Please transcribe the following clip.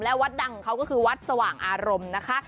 และวัดดังของเขาก็คือวัดสว่างอารมณ์นะคะ